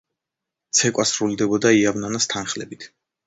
ცეკვა სრულდებოდა „იავნანას“ თანხლებით.